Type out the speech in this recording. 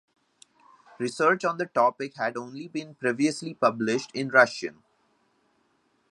Research on the topic had only been previously published in Russian.